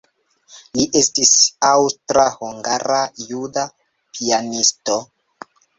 Li estis aŭstra-hungara-juda pianisto.